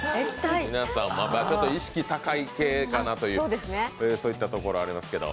意識高い系かなという、そういったところありますけど。